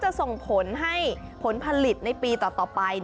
ส่งผลให้ผลผลิตในปีต่อไป